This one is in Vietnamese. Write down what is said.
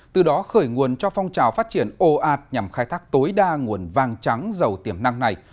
từ đó khởi nguồn cho phong trào phát triển ồ ạt nhằm khai thác tối đa nguồn vàng trắng giàu tiềm năng này